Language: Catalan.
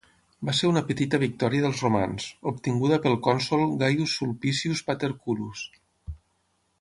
Va ser una petita victòria dels Romans, obtinguda pel cònsol Gaius Sulpicius Paterculus.